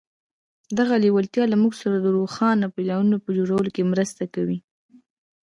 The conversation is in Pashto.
دغه لېوالتیا له موږ سره د روښانه پلانونو په جوړولو کې مرسته کوي.